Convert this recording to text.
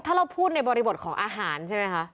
ถ้าเราพูดในบริบทของอาหารใช่ไหมคะ